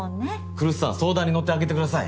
来栖さん相談に乗ってあげてください。